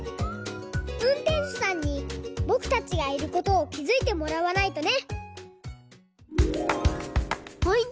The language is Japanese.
うんてんしゅさんにぼくたちがいることをきづいてもらわないとね！